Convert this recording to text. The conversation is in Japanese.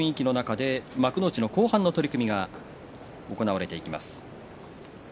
その雰囲気の中で幕内後半の取組が行われていきます。